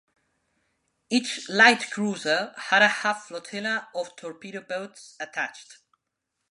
Each light cruiser had a half-flotilla of torpedo boats attached.